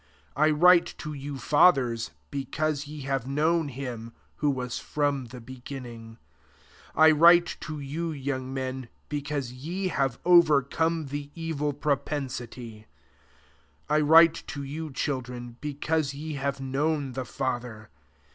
13 I write to you, fa :hers, because ye have known lim who vfaa from the begin ling. I write to you, young nen, because ye have over :ome the evil firopensity.'^ 1 wrrite to you, children, because fc have known the Father.